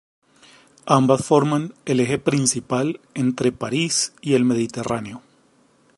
Ambas forman el eje principal entre París y el Mediterráneo.